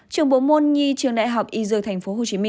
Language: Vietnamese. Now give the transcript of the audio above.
trường bộ môn nhi trường đại học y dược tp hcm